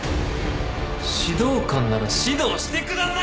「指導官なら指導してください！」